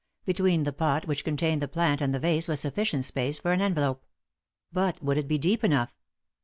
Between the pot which contained the plant and the vase was sufficient space for an envelope. But would it be deep enough